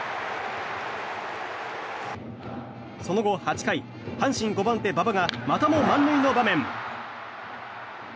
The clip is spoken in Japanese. その後８回、阪神５番手、馬場がまたも満塁の場面。